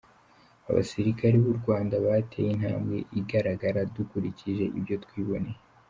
Abasirikare b’u Rwanda bateye intambwe igaragara dukurikije ibyo twiboneye.